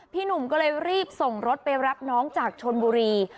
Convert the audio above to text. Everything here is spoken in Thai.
พี่หนุ่มก็เลยรีบส่งรถไปรับน้องจากชนบุรี